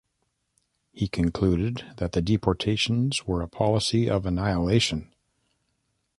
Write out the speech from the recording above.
He concluded that the deportations were a policy of "annihilation".